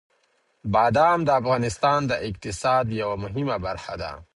بادام د افغانستان د اقتصاد یوه مهمه برخه ده.